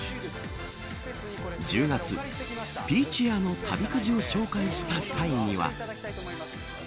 １０月、ピーチエアの旅くじを紹介した際には。